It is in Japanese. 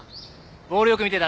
ボールよく見てたね。